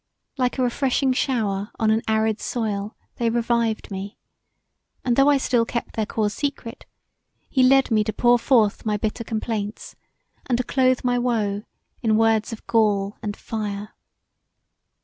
Like a refreshing shower on an arid soil they revived me, and although I still kept their cause secret he led me to pour forth my bitter complaints and to clothe my woe in words of gall and fire.